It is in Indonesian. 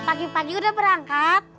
pagi pagi udah berangkat